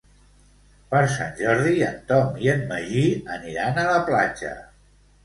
Per Sant Jordi en Tom i en Magí aniran a la platja.